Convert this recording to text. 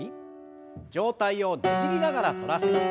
上体をねじりながら反らせて。